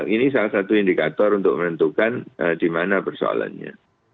ini salah satu indikator untuk menentukan di mana persoalannya